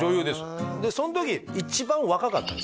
その時一番若かったんです